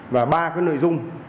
và ba cái nội dung